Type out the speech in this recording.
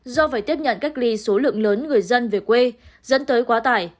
do phải tiếp nhận cách ly số lượng lớn người dân về quê dẫn tới quá tải